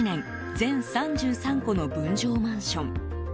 全３３戸の分譲マンション。